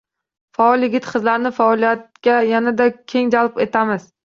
Faol yigit-qizlarni faoliyatga yanada keng jalb etamiz.